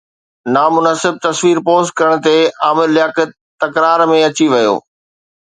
نامناسب تصوير پوسٽ ڪرڻ تي عامر لياقت تڪرار ۾ اچي ويو